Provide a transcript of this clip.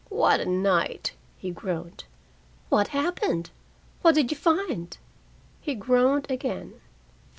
"What a night!" he groaned. "What happened! What did you find?" He groaned again.